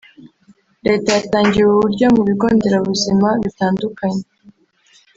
Leta yatangiye ubu buryo mu bigo nderabuzima bitandukanye